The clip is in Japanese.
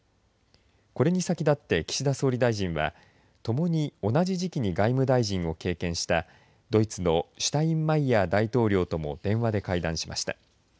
これに先立って岸田総理大臣はともに同じ時期に外務大臣を経験したドイツのシュタインマイヤー大統領とも電話で会談しました。